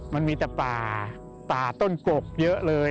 มันมีแต่ป่าป่าต้นกบเยอะเลย